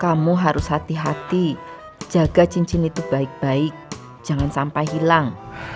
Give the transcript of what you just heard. kamu harus hati hati jaga cincin itu baik baik jangan sampai hilang